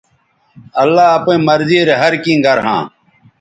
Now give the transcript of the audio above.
اللہ اپئیں مرضی رے ہر کیں گر ھاں